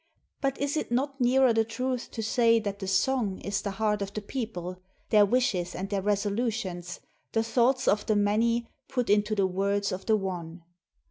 But is it not nearer the truth to say that the song is the heart of the people, their wishes and their resolutions, the thoughts of the many put into the words of the one?